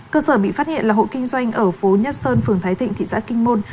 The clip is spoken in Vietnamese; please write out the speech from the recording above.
cơ sở bị phát hiện là hộ kinh doanh ở phố nhất sơn phường thái thịnh thị xã kinh môn